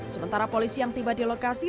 sementara polisi yang tiba di lokasi